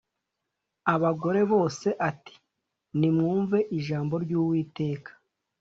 abagore bose ati Nimwumve ijambo ry Uwiteka